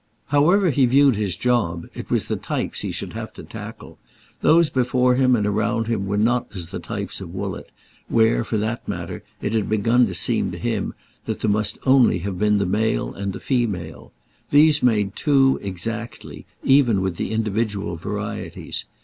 However he viewed his job it was "types" he should have to tackle. Those before him and around him were not as the types of Woollett, where, for that matter, it had begun to seem to him that there must only have been the male and the female. These made two exactly, even with the individual varieties.